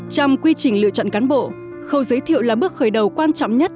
trong quy trình lựa chọn cán bộ khâu giới thiệu là bước khởi đầu quan trọng nhất